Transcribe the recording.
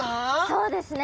そうですね。